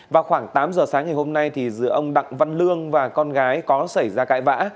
vào khoảng tám giờ sáng ngày hôm nay giữa ông đặng văn lương và con gái có xảy ra cãi vã